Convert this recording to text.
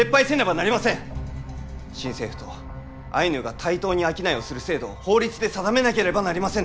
新政府とアイヌが対等に商いをする制度を法律で定めなければなりませぬ。